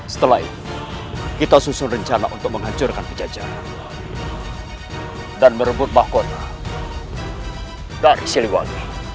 setelah itu kita susun rencana untuk menghancurkan pajajaran dan merebut bahkonya dari siliwangi